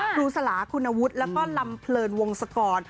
ครูสลาคุณวุฒิแล้วก็ลำเพลินวงศกร